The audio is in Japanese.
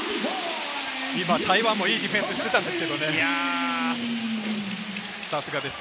今、台湾もいいディフェンスしてたんですけどね、さすがです。